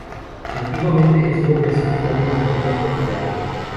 Antiguamente estuvo clasificado en la familia Corvidae.